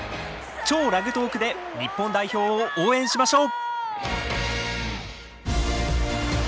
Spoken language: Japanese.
「＃超ラグトーク」で日本代表を応援しましょう！